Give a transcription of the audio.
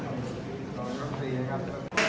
ใครอาจจะเป็นพระราชกระทรวงหญิงงานช่๕๕๐๓๖